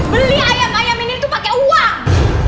beli ayam ayam ini itu pakai uang